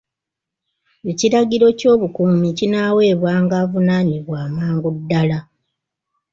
Ekiragiro ky'obukuumi kinaaweebwanga avunaanibwa amangu ddala.